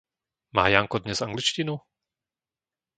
Má Janko dnes angličtinu?